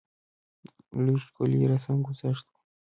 لوی ښکلی رسم ګذشت وو.